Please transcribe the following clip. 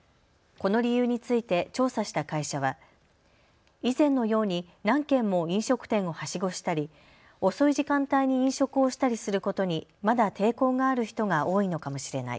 この理由について調査した会社は以前のように何軒も飲食店をはしごしたり遅い時間帯に飲食をしたりすることにまだ抵抗がある人が多いのかもしれない。